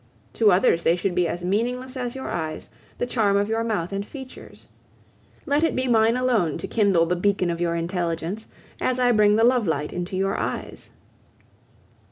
To others they should be as meaningless as your eyes, the charm of your mouth and features. Let it be mine alone to kindle the beacon of your intelligence, as I bring the lovelight into your eyes.